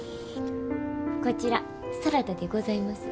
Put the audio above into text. こちらサラダでございます。